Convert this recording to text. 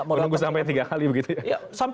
menunggu sampai tiga kali begitu ya